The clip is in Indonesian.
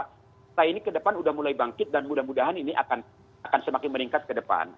kita ini ke depan sudah mulai bangkit dan mudah mudahan ini akan semakin meningkat ke depan